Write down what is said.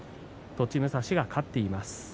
栃武蔵が勝っています。